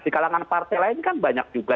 di kalangan partai lain kan banyak juga